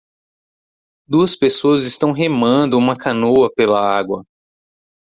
Duas pessoas estão remando uma canoa pela água.